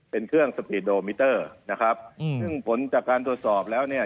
เป็นเครื่องนะครับอืมซึ่งผลจากการตรวจสอบแล้วเนี่ย